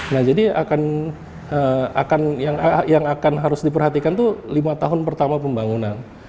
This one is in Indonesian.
nah jadi akan harus diperhatikan itu lima tahun pertama pembangunan